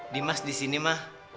dimas disini ma